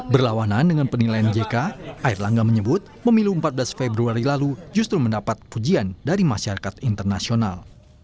berlawanan dengan penilaian jk air langga menyebut pemilu empat belas februari lalu justru mendapat pujian dari masyarakat internasional